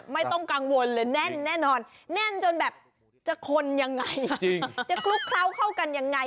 ไม่ต้องกังวลเลยแน่นแน่นจนแบบจะคนยังไงจะกลุ๊กเคราะห์เข้ากันยังไง